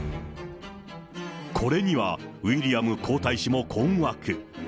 これには、ウィリアム皇太子も困惑。